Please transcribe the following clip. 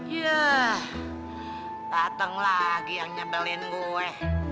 yah dateng lagi yang nyebelin gue